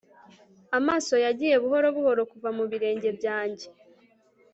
amaso yagiye buhoro buhoro kuva mu birenge byanjye